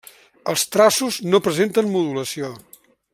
Els traços no presenten modulació.